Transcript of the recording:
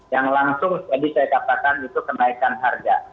yang langsung tadi saya katakan itu kenaikan harga